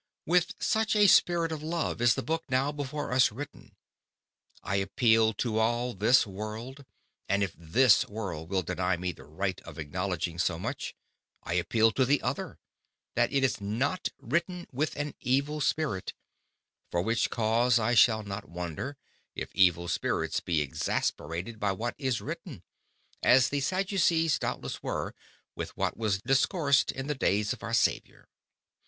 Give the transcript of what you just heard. With such a Spirit of Love, is the Book now before us written: I appeal to all this World; and if this World will deny me the Right of acknowledging so much, I appeal to the other, that it is not written with an Evil Spirit: for which cause I shall not wonder, if Evil Spirits be exasperated by what is written, as the Sadduces doubtless were with what was discoursed in the Days of our Saviour.